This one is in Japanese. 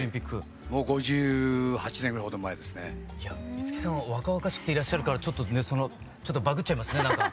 五木さんは若々しくていらっしゃるからちょっとねそのバグっちゃいますねなんか。